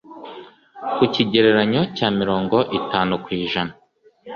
ku kigereranyo cya mirongo itanu kw'ijana